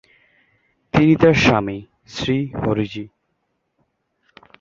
তিনি তার স্বামী, শ্রী হরিজি।